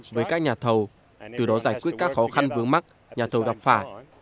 với các nhà thầu từ đó giải quyết các khó khăn vướng mắt nhà thầu gặp phải